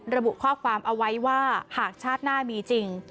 ระบุข้อความเอาไว้ว่าหากชาติหน้ามีจริง